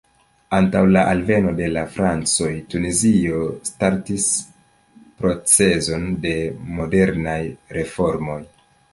Antaŭ la alveno de la francoj, Tunizio startis procezon de modernaj reformoj.